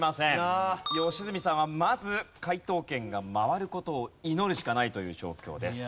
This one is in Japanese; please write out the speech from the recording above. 良純さんはまず解答権が回る事を祈るしかないという状況です。